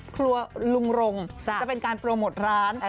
ครัวลุงรงค์จะเป็นการโปรโมทร้าน